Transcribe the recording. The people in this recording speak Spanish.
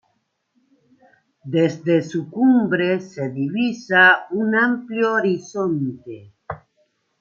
Desde su cumbre se divisa un amplio horizonte.